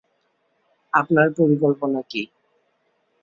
আপনার পরিকল্পনা কি?